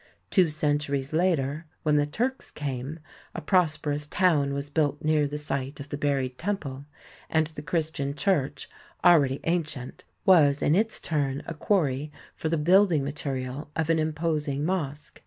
Two centuries later, when the Turks came, a prosperous town was built near the site of the buried temple, and the Christian church, already ancient, was in its turn a quarry for the building material of an imposing mosque.